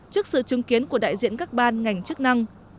trước sự chứng kiến của đại diện các ban ngành chức năng